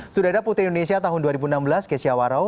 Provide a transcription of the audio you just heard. sudara putri indonesia tahun dua ribu enam belas kezia warau